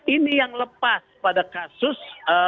ini yang lepas pada kasus